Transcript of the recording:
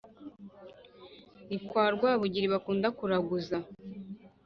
Ni kwa Rwabugiri bakunda kuraguza